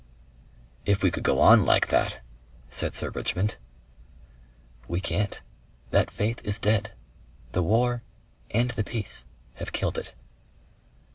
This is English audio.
'" "If we could go on like that!" said Sir Richmond. "We can't. That faith is dead. The war and the peace have killed it."